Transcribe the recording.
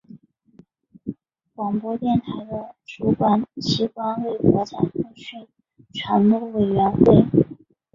广播电台的主管机关为国家通讯传播委员会。